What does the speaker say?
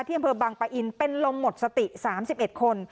ที่บังปะอินเป็นลมหมดสติ๓๑คน